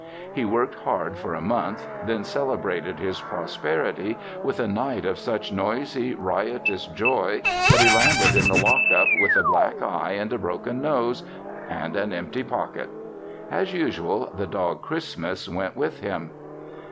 He worked hard for a month, then celebrated his prosperity with a night of such noisy, riotous joy that he landed in the lockup with a black eye and a broken nose and an empty pocket. As usual, the dog Christmas went with him.